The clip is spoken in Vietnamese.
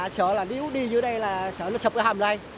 sợ là nếu đi dưới đây là sợ là sập cái hầm đây